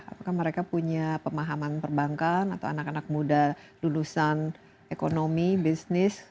apakah mereka punya pemahaman perbankan atau anak anak muda lulusan ekonomi bisnis